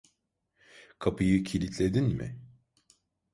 Kapıyı kilitledin mi?